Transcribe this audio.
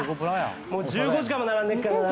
もう１５時間も並んでるからな。